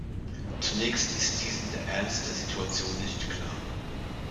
Zunächst ist diesem der Ernst der Situation nicht klar.